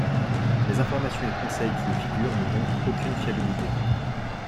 Les informations et conseils qui y figurent n'ont donc aucune fiabilité.